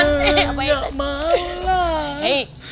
enggak mau lah